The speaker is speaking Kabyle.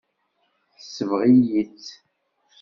Tesbeɣ-iyi-tt.